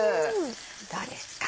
どうですか？